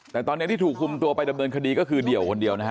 แต่ตอนที่ถูกคุมตัวมาดำเนินคาดีก็คือเดียวคนเดียวนะครับ